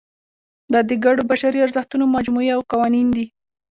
دا د ګډو بشري ارزښتونو مجموعې او قوانین دي.